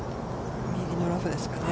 右のラフですかね。